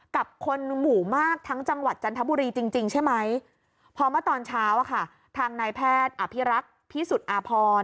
กับคนหมู่มากทั้งจังหวัดจันทบุรีจริงใช่ไหมพอเมื่อตอนเช้าอะค่ะทางนายแพทย์อภิรักษ์พิสุทธิ์อาพร